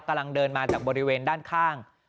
กำลังเดินมาจากบริเวณด้านข้าง